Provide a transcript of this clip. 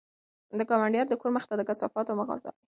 د ګاونډیانو د کور مخې ته د کثافاتو مه غورځوئ.